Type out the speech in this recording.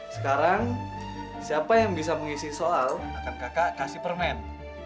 sekarang siapa yang bisa mengisi soal akan kakak kasih permen